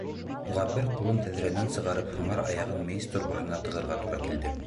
Уға бер ҡулын тәҙрәнән сығарып, һыңар аяғын мейес торбаһына тығырға тура килде.